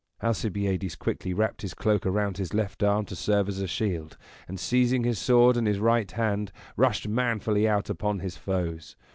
Alcibiades quickly wrapped his cloak around his left arm to serve as a shield, and, seizing his sword in his right hand, rushed manfully out upon his foes.